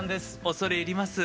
恐れ入りますぅ。